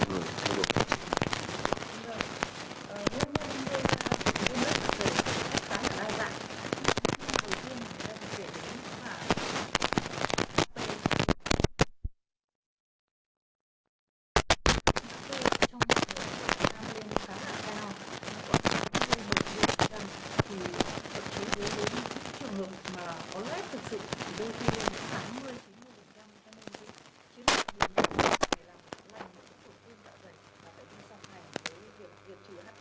bệnh viêm lét thực sự đôi khi là tám mươi chín mươi cho nên là chứ không phải là bệnh viêm lét dạ dày là bệnh viêm xong hành với việc chữa hp